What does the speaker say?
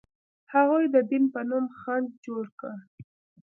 هغوی د دین په نوم خنډ جوړ کړ.